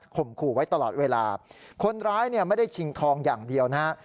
ขู่ไว้ตลอดเวลาคนร้ายเนี่ยไม่ได้ชิงทองอย่างเดียวนะฮะ